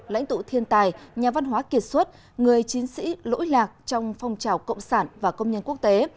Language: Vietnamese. lãnh tụ thiên tài nhà văn hóa kiệt xuất người chiến sĩ lỗi lạc trong phong trào cộng sản và công nhân quốc tế